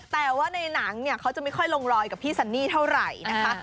แต่ว่าในหนังเนี่ยเขาจะไม่ค่อยลงรอยกับพี่ซันนี่เท่าไหร่นะคะ